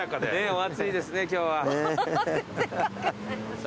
お暑いですね今日は。